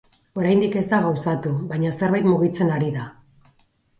Oraindik ez da gauzatu, baina zerbait mugitzen ari da.